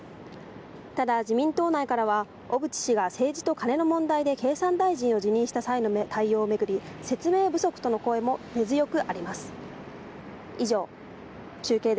ただ、自民党内からは小渕氏が政治とカネの問題で経産大臣を辞任した際の対応を巡り、説明不足との声も根強くあります。